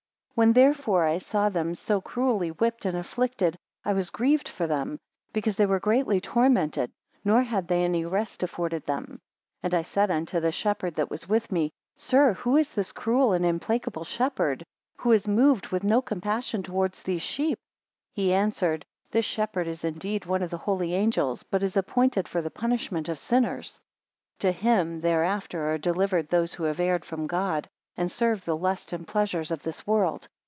19 When therefore I saw them so cruelly whipped and afflicted, I was grieved for them; because they were greatly tormented, nor had they any rest afforded them. 20 And I said unto the shepherd that was with me: Sir, who is this cruel and implacable shepherd, who is moved with no compassion towards these sheep? He answered, This shepherd is indeed one of the holy angels, but is appointed for the punishment of sinners. 21 To him therefore are delivered those who have erred from God, and served the lusts and pleasures of this world.